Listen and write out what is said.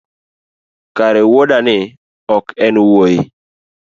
kare wuodani ok enwuoyi?